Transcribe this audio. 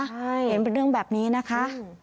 เห็นเป็นเรื่องแบบนี้นะคะ